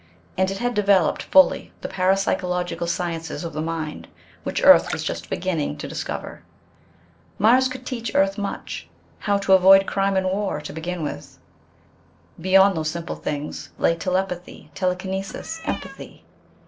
And it had developed fully the parapsychological sciences of the mind, which Earth was just beginning to discover. Mars could teach Earth much. How to avoid crime and war to begin with. Beyond those simple things lay telepathy, telekinesis, empathy....